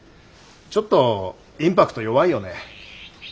ちょっとインパクト弱いよね。